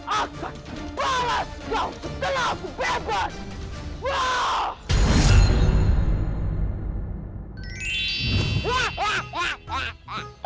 akan terbalas kau setelah aku bebas